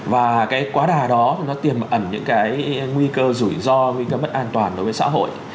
và cái quá đà đó thì nó tìm ẩn những cái nguy cơ rủi ro nguy cơ bất an toàn đối với xã hội